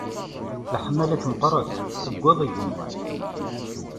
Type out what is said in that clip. Leḥmala-k meqqret, tewweḍ igenwan.